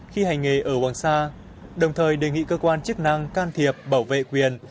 khi hành nghề ở hoàng sa đồng thời đề nghị cơ quan chức năng can thiệp bảo vệ quyền